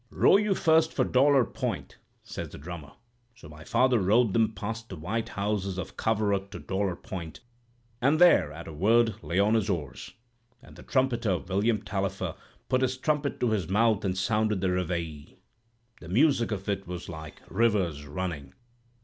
"'Row you first for Dolor Point,' says the drummer. So my father rowed them past the white houses of Coverack to Dolor Point, and there, at a word, lay on his oars. And the trumpeter, William Tallifer, put his trumpet to his mouth and sounded the reveille. The music of it was like rivers running.